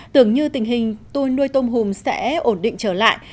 tưởng như tình hình tôi nuôi tôm hùm sẽ ổn định trở lại